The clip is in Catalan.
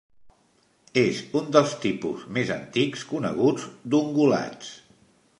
És un dels tipus més antics coneguts d'ungulats.